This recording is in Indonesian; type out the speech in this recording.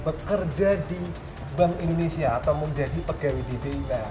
bekerja di bank indonesia atau menjadi pegawai di bi